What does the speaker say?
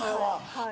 はい。